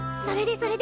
それで？